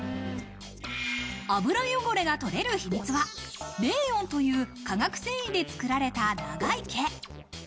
油汚れが取れる秘密はレーヨンという化学繊維で作られた長い毛。